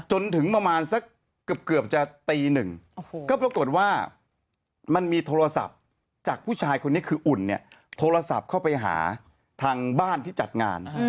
จนถึงประมาณสักเกือบจะตีหนึ่งก็ปรากฏว่ามันมีโทรศัพท์จากผู้ชายคนนี้คืออุ่นเนี่ยโทรศัพท์เข้าไปหาทางบ้านที่จัดงาน